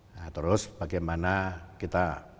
nah terus bagaimana kita